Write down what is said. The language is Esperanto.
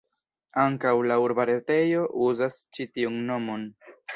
Ankaŭ la urba retejo uzas ĉi tiun nomon.